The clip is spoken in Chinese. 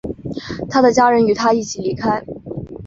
他的家人与他一起离开。